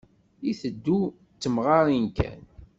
Iteddu d temɣarin kan.